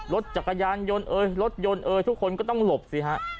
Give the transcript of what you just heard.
รถจักรยานยนต์เอ่ยรถยนต์เอ่ยทุกคนก็ต้องหลบสิฮะ